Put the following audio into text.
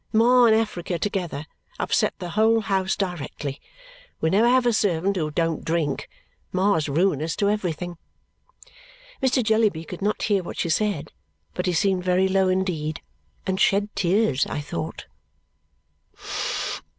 Ma and Africa, together, upset the whole house directly. We never have a servant who don't drink. Ma's ruinous to everything." Mr. Jellyby could not hear what she said, but he seemed very low indeed and shed tears, I thought.